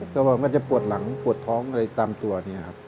ก็มันจะปวดหลังปวดท้องอะไรตามตัวเนี่ยครับ